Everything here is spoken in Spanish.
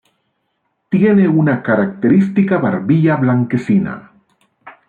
Tiene una característica barbilla blanquecina.